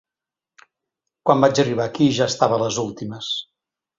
Quan vaig arribar aquí ja estava a les últimes.